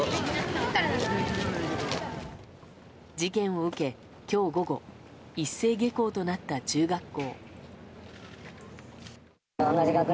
事件を受け、今日午後一斉下校となった中学校。